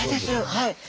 はい。